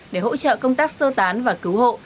để hỗ trợ công tác sơ tán và cứu hộ